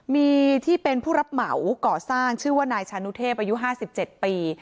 มีที่เป็นผู้รับเหมาก่อสร้างชื่อว่านายชานุเทพอายุ๕๗ปี